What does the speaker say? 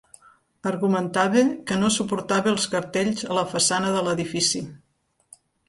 Argumentava que no suportava els cartells a la façana de l'edifici.